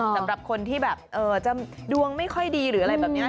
สำหรับคนที่แบบอ่าหรือจะดวงไม่ค่อยดีใช่ไหม